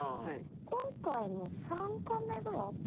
今回も３カメぐらいあった？